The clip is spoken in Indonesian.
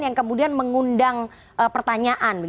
yang kemudian mengundang pertanyaan